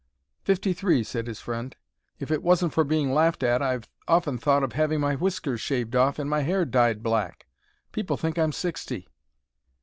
"Fifty three," said his friend. "If it wasn't for being laughed at I've often thought of having my whiskers shaved off and my hair dyed black. People think I'm sixty."